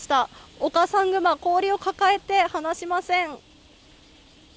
お母さんグマ、氷を抱えて離しません。